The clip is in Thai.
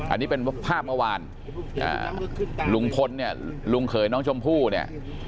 อันนี้เป็นภาพเมื่อวานลุงพลเนี่ยลุงเขยน้องชมพู่เนี่ย